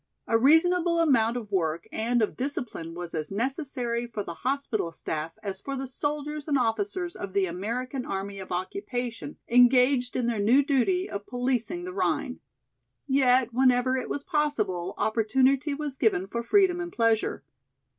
A reasonable amount of work and of discipline was as necessary for the hospital staff as for the soldiers and officers of the American Army of Occupation engaged in their new duty of policing the Rhine. Yet whenever it was possible opportunity was given for freedom and pleasure.